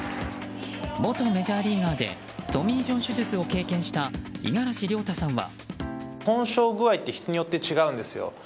元メジャーリーガーでトミー・ジョン手術を経験した五十嵐亮太さんは。